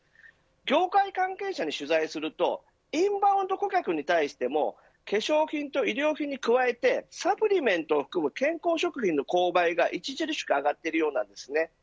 業界関係者に取材するとインバウンド顧客に対しても化粧品と医療品に加えてサプリメントを含む健康食品の購買が著しく上がっているようなんです。